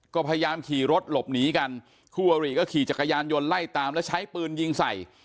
ก็พยายามขี่รถหลบหนีกันคู่อริก็ขี่จักรยานยนต์ไล่ตามแล้วใช้ปืนยิงใส่